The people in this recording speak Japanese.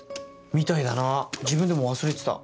みたいだな自分でも忘れてた。